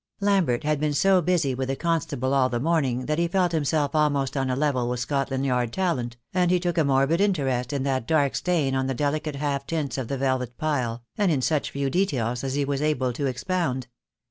Lambert had been so busy with the constable all the morning that he felt himself almost on a level with Scot land Yard talent, and he took a morbid interest in that dark stain on the delicate half tints of the velvet pile, and in such few details as he was able to expound.